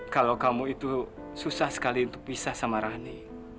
kalau kamu itu susah sekali untuk pisah sama rani